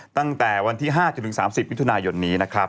ตั้งแต่วันที่๕จนถึง๓๐มิถุนายนนี้นะครับ